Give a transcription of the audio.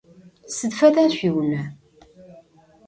Сыд фэда шъуиунэ?